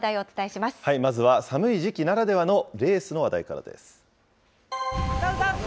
まずは寒い時期ならではのレースの話題からです。